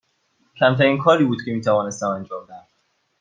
کمترین کاری بود که می توانستم انجام دهم.